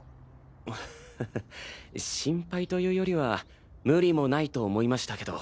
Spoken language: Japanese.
アハハ心配というよりは無理もないと思いましたけど。